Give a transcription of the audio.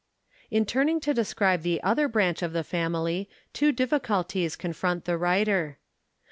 In turning to describe the other branch of the family, two difficulties confront the writer.